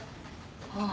ああ